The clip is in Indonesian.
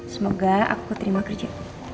semoga aku terima kerja